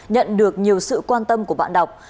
nhận được nhiều sự quan tâm của bạn đọc